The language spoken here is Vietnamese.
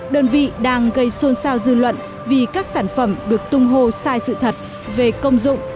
đơn vị đang gây xôn xao dư luận vì các sản phẩm được tung hô sai sự thật về công dụng